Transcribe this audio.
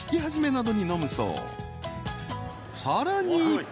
［さらに］